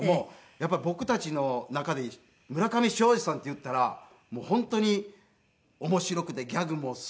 やっぱり僕たちの中で村上ショージさんっていったら本当に面白くてギャグもすごくウケてっていう。